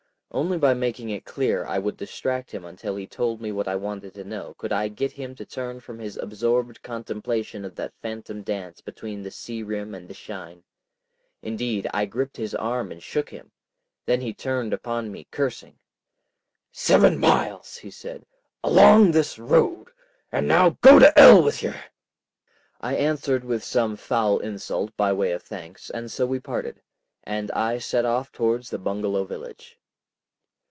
Only by making it clear I would distract him until he told me what I wanted to know could I get him to turn from his absorbed contemplation of that phantom dance between the sea rim and the shine. Indeed I gripped his arm and shook him. Then he turned upon me cursing. "Seven miles," he said, "along this road. And now go to 'ell with yer!" I answered with some foul insult by way of thanks, and so we parted, and I set off towards the bungalow village.